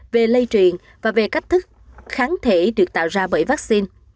về lây truyền và về cách thức kháng thể được tạo ra bởi vaccine